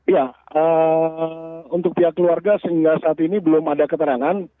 ya untuk pihak keluarga sehingga saat ini belum ada keterangan